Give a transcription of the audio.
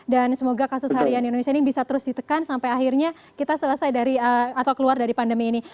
dan semoga kasus harian indonesia ini bisa terus ditekan sampai akhirnya kita selesai dari atau keluar dari pandemi ini